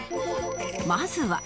まずは